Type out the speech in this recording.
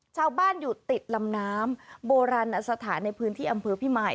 ชาวบ้านอยู่ติดลำน้ำโบราณอสถานในพื้นที่อำเภอพิมาย